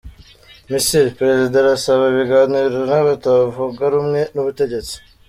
Misiri: Perezida arasaba ibiganiro n’abatavuga rumwe n’ubutegetsi